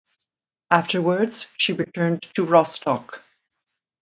Afterwards she returned to Rostock.